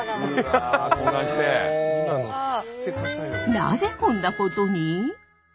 なぜこんなことに？